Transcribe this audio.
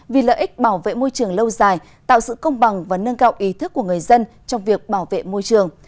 vì lợi ích bảo vệ môi trường lâu dài tạo sự công bằng và nâng cao ý thức của người dân trong việc bảo vệ môi trường